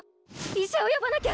医者を呼ばなきゃ！